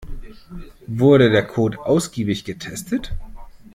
Wurde der Code ausgiebig getestet?